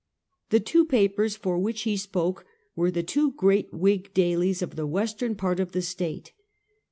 The two papers for which he spoke, were the two great Yv^hig dailies of the western part of the State.